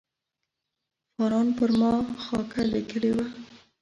فاران پر ما خاکه لیکلې وه.